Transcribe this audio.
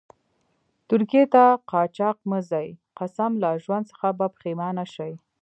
ترکيې ته قاچاق مه ځئ، قسم لا ژوند څخه به پیښمانه شئ.